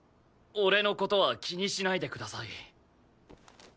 俺の事は気にしないでください。